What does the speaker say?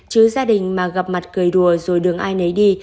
chứ gia đình mà gặp mặt cười đùa rồi đường ai nấy đi